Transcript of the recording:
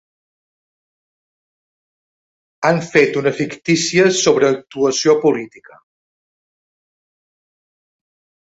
Han fet una fictícia sobreactuació política.